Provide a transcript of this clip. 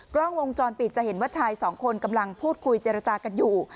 กล้องวงจรปิดจะเห็นว่าชายสองคนกำลังพูดคุยเจรจากันอยู่